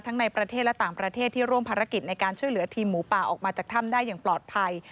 ในประเทศและต่างประเทศที่ร่วมภารกิจในการช่วยเหลือทีมหมูป่าออกมาจากถ้ำได้อย่างปลอดภัย